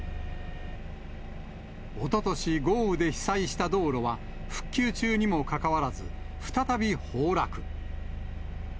おととし、豪雨で被災した道路は復旧中にもかかわらず、再び崩落。